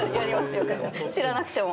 よく知らなくても。